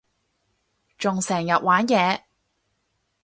仲成日玩嘢